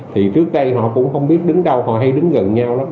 thì trước đây họ cũng không biết đứng đầu họ hay đứng gần nhau lắm